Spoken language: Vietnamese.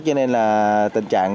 cho nên là